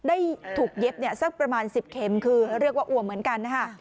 ได้ถูกเย็บสักประมาณ๑๐เข็มคือเรียกว่าอวมเหมือนกันนะฮะ